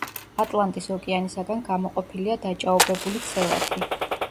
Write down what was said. ატლანტის ოკეანისაგან გამოყოფილია დაჭაობებული ცელათი.